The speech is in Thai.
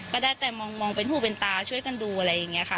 ก็ได้แต่มองเป็นหูเป็นตาช่วยกันดูอะไรอย่างนี้ค่ะ